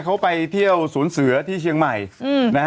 เขาไปเที่ยวศูนย์เสือที่เชียงใหม่นะฮะ